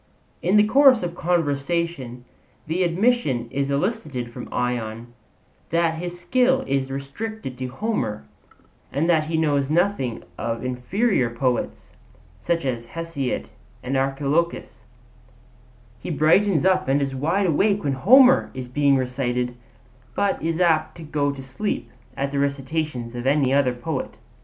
In the course of conversation the admission is elicited from Ion that his skill is restricted to Homer, and that he knows nothing of inferior poets, such as Hesiod and Archilochus; he brightens up and is wide awake when Homer is being recited, but is apt to go to sleep at the recitations of any other poet.